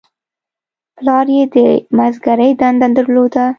پلار یې د مسګرۍ دنده درلوده.